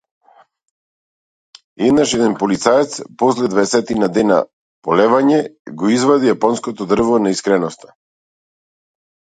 Еднаш еден полицаец, после дваесетина дена полевање, го извади јапонското дрво на искреноста.